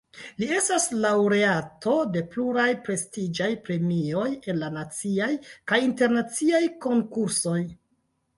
Li estas laŭreato de pluraj prestiĝaj premioj en la naciaj kaj internaciaj konkursoj.